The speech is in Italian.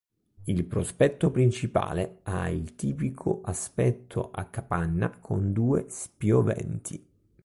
Il prospetto principale ha il tipico aspetto a capanna con due spioventi.